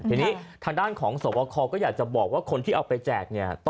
ทีนี้ทางด้านของสวบคก็อยากจะบอกว่าคนที่เอาไปแจกเนี่ย